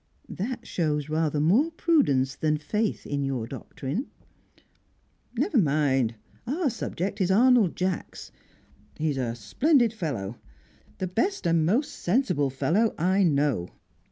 "That shows rather more prudence than faith in your doctrine." "Never mind. Our subject is Arnold Jacks. He's a splendid fellow. The best and most sensible fellow I know."